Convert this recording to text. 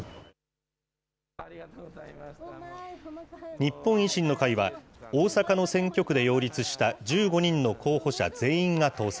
日本維新の会は、大阪の選挙区で擁立した１５人の候補者全員が当選。